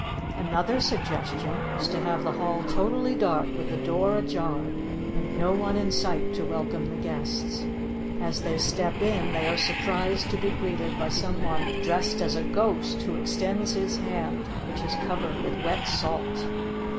Another suggestion is to have the hall totally dark with the door ajar and no one in sight to welcome the guests. As they step in they are surprised to be greeted by some one dressed as a ghost who extends his hand which is covered with wet salt.